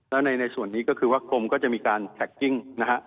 แล้วในในส่วนนี้ก็คือว่ากรมก็จะมีการนะฮะ